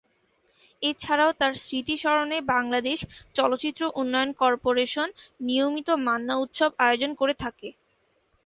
এছাড়াও তার স্মৃতি স্মরণে বাংলাদেশ চলচ্চিত্র উন্নয়ন কর্পোরেশন নিয়মিত মান্না উৎসব আয়োজন করে থাকে।